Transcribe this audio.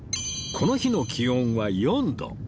この日の気温は４度